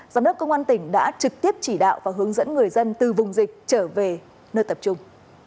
giám đốc công an tỉnh đã trực tiếp chỉ đạo và hướng dẫn người dân từ vùng dịch trở về nơi tập trung